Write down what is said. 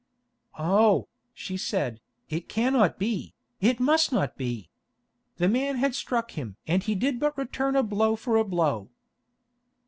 "Oh," she said, "it cannot be, it must not be! The man had struck him and he did but return a blow for a blow."